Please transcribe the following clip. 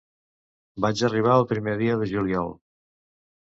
Vaig arribar el primer dia de juliol.